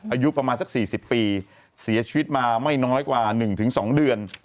อายุประมาณสัก๔๐ปีเสียชีวิตมาไม่น้อยกว่า๑๒เดือน